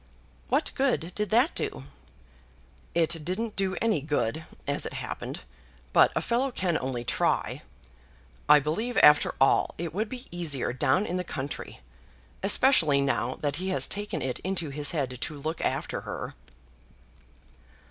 "What good did that do?" "It didn't do any good, as it happened. But a fellow can only try. I believe, after all, it would be easier down in the country, especially now that he has taken it into his head to look after her."